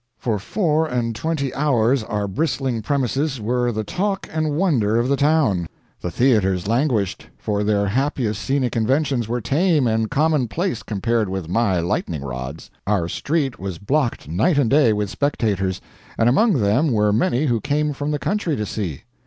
For four and twenty hours our bristling premises were the talk and wonder of the town. The theaters languished, for their happiest scenic inventions were tame and commonplace compared with my lightning rods. Our street was blocked night and day with spectators, and among them were many who came from the country to see.